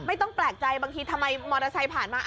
ไม่ต้องแปลกใจบางทีทำไมมอเตอร์ไซค์ผ่านมา